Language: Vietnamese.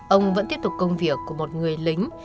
ông vẫn tiếp tục công việc của một người lính